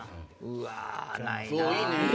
うわないな。